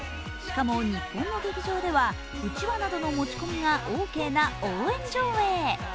しかも日本の劇場ではうちわなどの持ち込みがオーケーな応援上映。